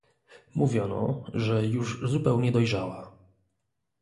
"Mówiono, że już zupełnie dojrzała."